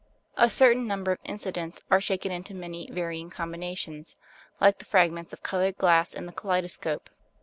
A certain number of incidents are shaken into many varying combinations, like the fragments of coloured glass in the kaleidoscope.